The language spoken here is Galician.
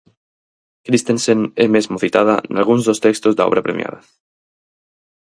Christensen é mesmo citada nalgún dos textos da obra premiada.